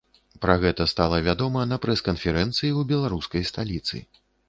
Пра гэта стала вядома на прэс-канферэнцыі ў беларускай сталіцы.